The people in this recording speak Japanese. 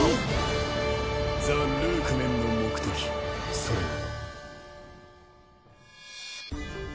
ザ・ルークメンの目的それは。